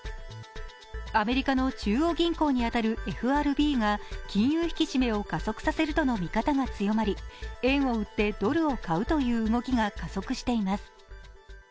アメリカの中央銀行に当たるＦＲＢが金融引き締めを加速させるとの見方が強まり円を売ってドルを買うという動きが加速しています。